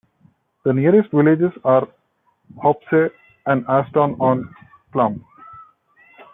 The nearest villages are Hopesay and Aston-on-Clun.